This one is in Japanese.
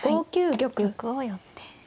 玉を寄って。